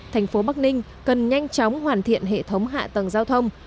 thành phố bắc ninh cần nhanh chóng hoàn thiện hệ thống hạ tầng giao thông